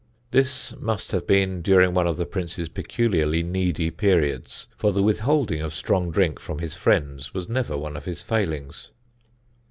This must have been during one of the Prince's peculiarly needy periods, for the withholding of strong drink from his friends was never one of his failings.